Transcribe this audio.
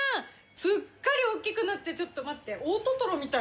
すっかり大きくなってちょっと待って大トトロみたい。